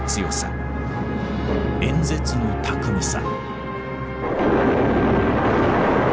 演説の巧みさ。